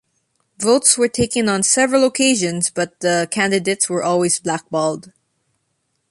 Votes were taken on several occasions, but the candidates were always blackballed.